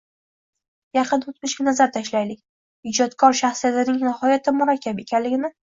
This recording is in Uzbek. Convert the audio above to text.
Yaqin o‘tmishga nazar tashlaylik. Ijodkor shaxsiyatining nihoyatda murakkab ekanligini